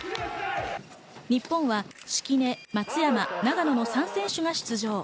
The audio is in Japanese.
日本は敷根、松山、永野の３選手が出場。